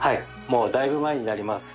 もうだいぶ前になります。